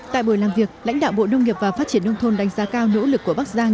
tại buổi làm việc lãnh đạo bộ nông nghiệp và phát triển nông thôn đánh giá cao nỗ lực của bắc giang